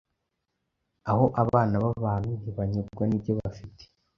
aho abana babantu ntibanyurwa nibyo bafite